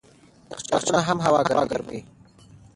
یخچالونه هم هوا ګرموي.